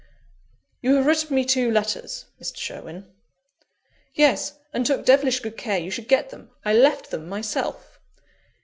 "You have written me two letters, Mr. Sherwin " "Yes: and took devilish good care you should get them I left them myself."